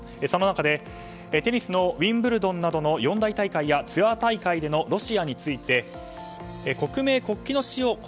その中でテニスのウィンブルドンなどの四大大会やツアー大会でのロシアについて国名・国旗の使用